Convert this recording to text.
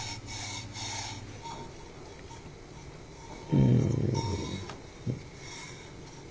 うん。